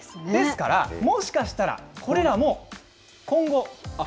ですからもしかしたらこれらも今後。